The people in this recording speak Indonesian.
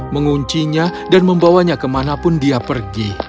menguncinya dan membawanya kemanapun dia pergi